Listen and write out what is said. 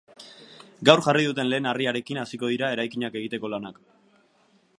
Gaur jarri duten lehen harriarekin hasiko dira eraikinak egiteko lanak.